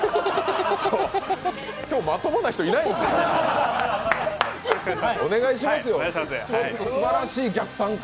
今日、まともな人いないんか？